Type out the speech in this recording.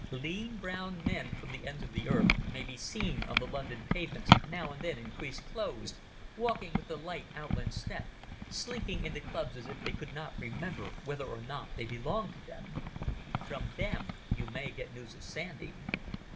Lean brown men from the ends of the earth may be seen on the London pavements now and then in creased clothes, walking with the light outland step, slinking into clubs as if they could not remember whether or not they belonged to them. From them you may get news of Sandy.